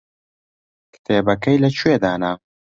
کتێبەکەی لەکوێ دانا؟